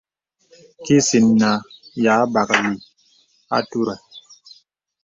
Kìsin nǎ yâ bāklì àturə.